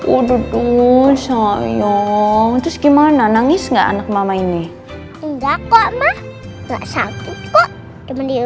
udah du sayo terus gimana nangis enggak anak mama ini nggak kok mah nggak sangat pu kok cuman diusap aja